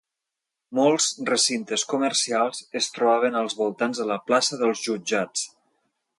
Molts recintes comercials es trobaven als voltants de la plaça dels jutjats.